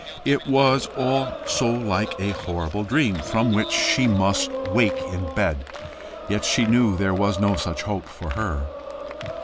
It was all so like a horrible dream, from which she must wake in bed! yet she knew there was no such hope for her.